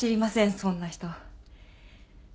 そんな人。